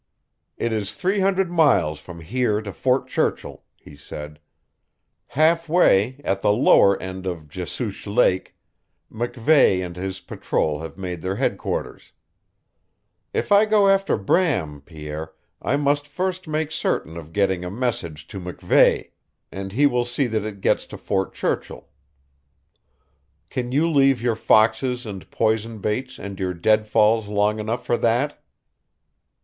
"It is three hundred miles from here to Fort Churchill," he said. "Half way, at the lower end of Jesuche Lake, MacVeigh and his patrol have made their headquarters. If I go after Bram, Pierre, I must first make certain of getting a message to MacVeigh, and he will see that it gets to Fort Churchill. Can you leave your foxes and poison baits and your deadfalls long enough for that?"